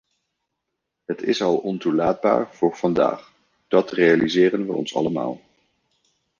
Het is al ontoelaatbaar voor vandaag, dat realiseren we ons allemaal.